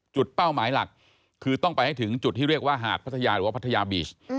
เป้าหมายหลักคือต้องไปให้ถึงจุดที่เรียกว่าหาดพัทยาหรือว่าพัทยาบีช